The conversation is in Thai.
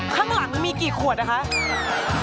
ข้างหลังมันมีกี่ขวดนะคะ